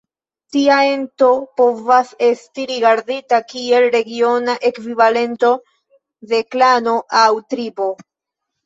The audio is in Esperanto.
Tia ento povas estis rigardita kiel regiona ekvivalento de klano aŭ tribo.